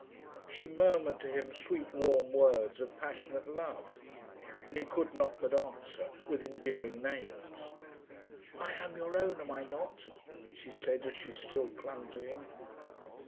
She murmured to him sweet warm words of passionate love, and he could not but answer with endearing names. "I am your own, am I not?" she said as she still clung to him.